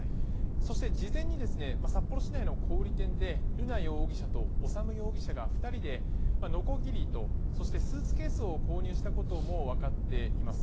そして、事前に札幌市内の小売店で瑠奈容疑者と修容疑者が２人でのこぎりとそして、スーツケースを購入したこともわかっています。